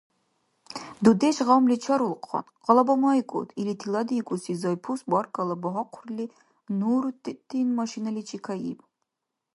— Дудеш гъамли чарулхъан, къалабамайкӀуд, — или тиладиикӀуси Зайпус баркалла багьахъурли, Нуруттин машиналичи кайиб.